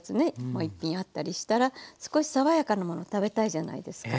もう一品あったりしたら少し爽やかなもの食べたいじゃないですか。